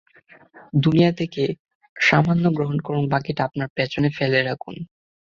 দুনিয়া থেকে সামান্য গ্রহণ করুন, বাকিটা আপনার পেছনে ফেলে রাখুন।